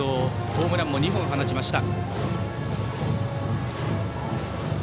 ホームランも２本放ちました。